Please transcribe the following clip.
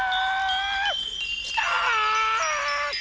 きた！